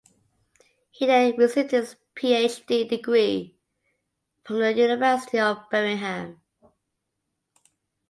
He then received his PhD degree from the University of Birmingham.